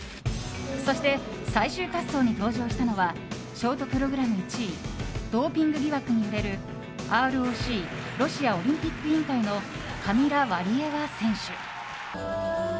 そして最終滑走に登場したのはショートプログラム１位ドーピング疑惑に揺れるＲＯＣ・ロシアオリンピック委員会のカミラ・ワリエワ選手。